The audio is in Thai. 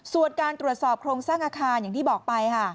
ส่วนการตรวจสอบโครงสร้างอาคารอย่างที่บอกไปค่ะ